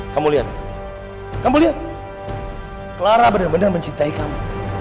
kamu lihat kamu lihat clara bener bener mencintai kamu